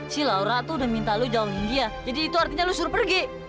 si laura tuh udah minta lu jauhin dia jadi itu artinya lu suruh pergi